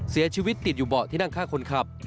เสียชีวิตติดอยู่เบาะที่นั่งข้างคนขับ